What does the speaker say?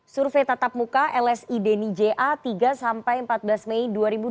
survei tatap muka lsi deni ja tiga sampai empat belas mei dua ribu dua puluh